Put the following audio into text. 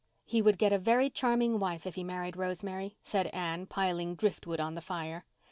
"He would get a very charming wife if he married Rosemary," said Anne, piling driftwood on the fire.